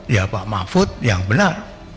ya pak mahfud yang benar